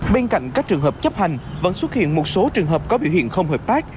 bên cạnh các trường hợp chấp hành vẫn xuất hiện một số trường hợp có biểu hiện không hợp tác